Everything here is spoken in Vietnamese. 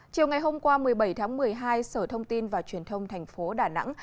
chiều ngày hôm qua một mươi bảy tháng một mươi hai sở thông tin và truyền thông thành phố đà nẵng